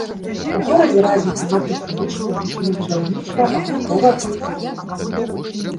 У горадзе развіта нафтахімічная, машынабудаўнічая, абутковая прамысловасць.